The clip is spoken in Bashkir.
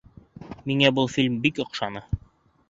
Миңә был фильм бик оҡшаны.